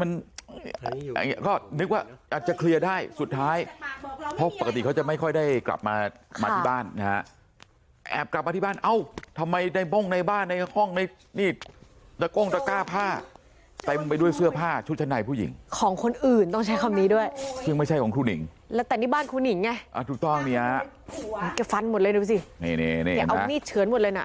มาที่บ้านนะฮะแอบกลับมาที่บ้านเอ้าทำไมในบ้านในห้องในนี่ตะโก้งตะกร้าผ้าใส่ไปด้วยเสื้อผ้าชุดชัดในผู้หญิงของคนอื่นต้องใช้คำนี้ด้วยซึ่งไม่ใช่ของครูหนิงแล้วแต่นี่บ้านครูหนิงไงอ่ะถูกต้องเนี่ยเก็บฟันหมดเลยดูสินี่